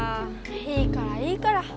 いいからいいから。